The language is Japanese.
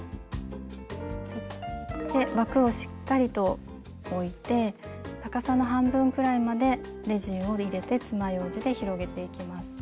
枠をしっかりと置いて高さの半分くらいまでレジンを入れてつまようじで広げていきます。